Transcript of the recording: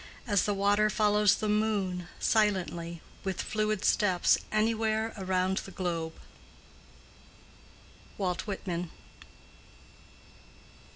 As the water follows the moon, silently, with fluid steps anywhere around the globe." —WALT WHITMAN.